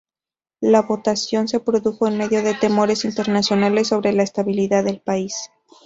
La votación se produjo en medio de temores internacionales sobre la estabilidad del país.